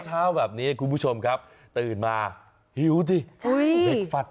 เช้าแบบนี้คุณผู้ชมครับตื่นมาหิวสิกฟัด